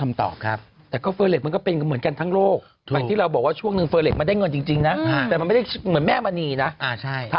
อึกอึกอึกอึกอึกอึกอึกอึกอึกอึก